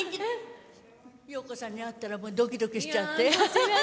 洋子さんに会ったらドキドキしちゃって。